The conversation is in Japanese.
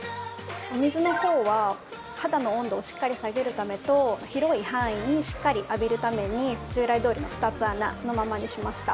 お水のほうは肌の温度をしっかり下げるためと広い範囲にしっかり浴びるために従来どおりの２つ穴のままにしました。